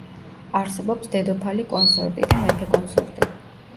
არსებობს დედოფალი კონსორტი და მეფე კონსორტი.